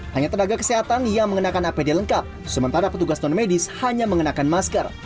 hanya tenaga kesehatan yang mengenakan apd lengkap sementara petugas non medis hanya mengenakan masker